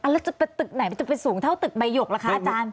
แล้วจะไปตึกไหนมันจะไปสูงเท่าตึกใบหยกล่ะคะอาจารย์